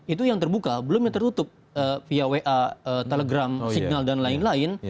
itu yang terbuka belum yang tertutup via wa telegram signal dan lain lain